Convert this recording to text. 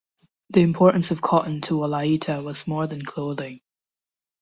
The importance of cotton to Wolaita was more than clothing.